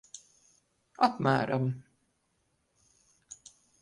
Apmēram.